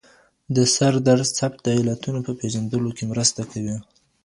د سردرد ثبت د علتونو په پېژندلو کې مرسته کوي.